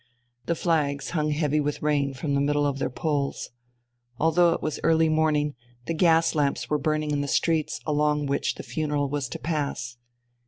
The flags hung heavy with rain from the middle of their poles. Although it was early morning, the gas lamps were burning in the streets along which the funeral was to pass.